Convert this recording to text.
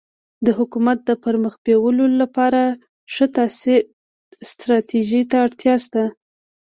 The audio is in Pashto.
د حکومت د پرمخ بیولو لپاره ښه ستراتيژي ته اړتیا سته.